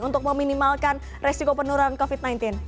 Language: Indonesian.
untuk meminimalkan resiko penurunan covid sembilan belas